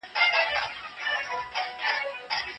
ولي هوډمن سړی د هوښیار انسان په پرتله ښه ځلېږي؟